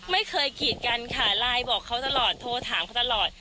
ไม่เคยกีดกันค่ะไลน์บอกเขาตลอดโทรถามเขาตลอด